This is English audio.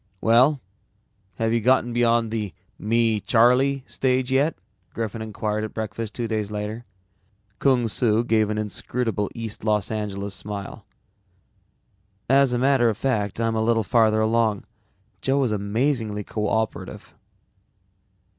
"Well, have you gotten beyond the 'me, Charlie' stage yet?" Griffin inquired at breakfast two days later. Kung Su gave an inscrutable East Los Angeles smile. "As a matter of fact, I'm a little farther along. Joe is amazingly coöperative."